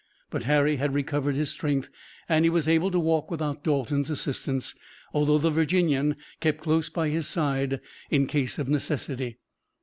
But Harry had recovered his strength and he was able to walk without Dalton's assistance, although the Virginian kept close by his side in case of necessity.